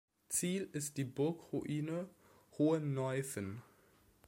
Ziel ist die Burgruine Hohenneuffen.